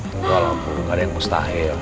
tunggu lah bu gak ada yang mustahil